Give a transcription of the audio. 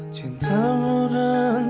aku mau buktikan